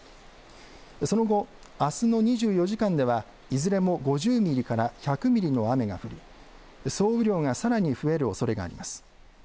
その後あすの２４時間ではいずれも５０ミリから１００ミリの雨が降り、総雨量がさらに増えるおそれがあります。